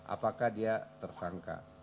apakah dia tersangka